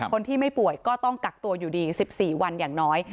คนที่ไม่ป่วยก็ต้องกักตัวอยู่ดี๑๔วันอย่างน้อย